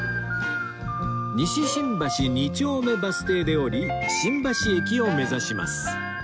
西新橋二丁目バス停で降り新橋駅を目指します